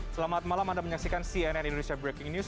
selamat malam anda menyaksikan cnn indonesia breaking news